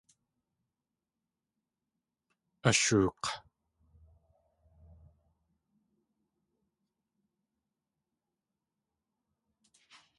Ashook̲.